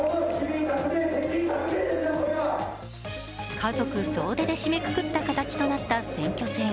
家族総出で締めくくった形となった選挙戦。